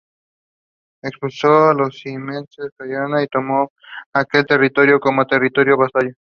Expulsó a los siameses de Camboya y tomó aquel territorio como territorio vasallo.